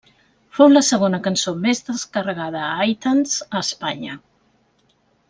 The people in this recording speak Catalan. Fou la segona cançó més descarregada a iTunes a Espanya.